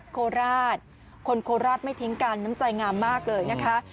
โคราชคนโคราชไม่ทิ้งกันน้ำใจงามมากเลยนะคะ